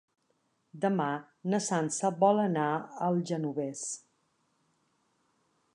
Demà na Sança vol anar al Genovés.